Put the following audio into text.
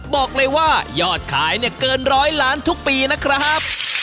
บอกเลยว่ายอดขายเนี่ยเกินร้อยล้านทุกปีนะครับ